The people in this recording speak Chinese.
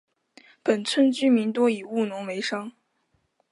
本村居民多以务农为生。